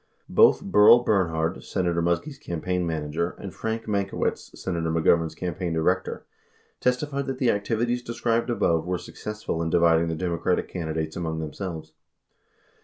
84 Both Berl Bernhard, Senator Muskie's campaign manager, and Frank Mankiewicz, Senator Mc Govern's campaign director, testified that the activities described abm e Avere successful in dividing the Democratic candidates among themselves.